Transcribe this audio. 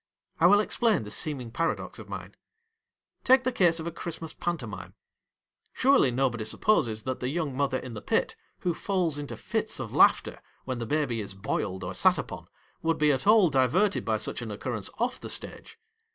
I will explain this seeming paradox of mine. Take the case of a Christmas Pantomime. Surely nobody supposes that the young mother in the pit who falls into fits of laughter when the baby is boiled or sat upon, would be at all diverted by such an occurrence off the stage.